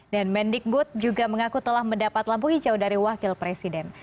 dan mendikbud juga mengaku telah mendapat lampu hijau dari wakil presiden